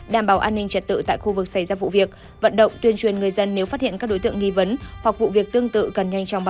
đảm bảo an ninh trật tự tại khu vực xảy ra vụ việc vận động tuyên truyền người dân nếu phát hiện các đối tượng nghi vấn